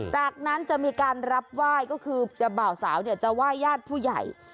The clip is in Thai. จากนั้นจะมีการรับไหว้ก็คือบ่าวสาวจะไหว้ญาติผู้ใหญ่